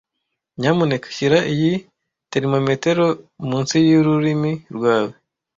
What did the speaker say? Nyamuneka shyira iyi termometero munsi y'ururimi rwawe.